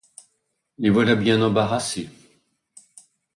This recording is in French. Les voilà bien embarrassés.